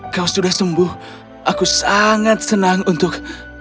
kau sudah sembuh aku sangat senang untuk